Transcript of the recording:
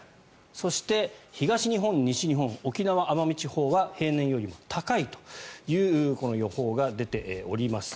そして、東日本、西日本沖縄・奄美地方は平年より高いというこの予報が出ております。